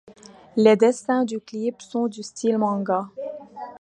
Les dessins du clip sont de style manga.